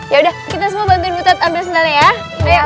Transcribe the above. ya udah kita semua bantuin butet ambil sebenarnya ya